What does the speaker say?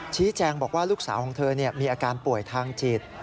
ชี้แจงบอกว่าลูกสาวของเธอมีอาการป่วยทางจิต